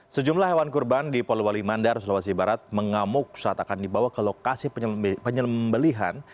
sejumlah hewan kurban di poliwali mandar sulawesi barat mengamuk saat akan dibawa ke lokasi penyembelihan